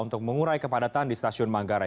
untuk mengurai kepadatan di stasiun manggarai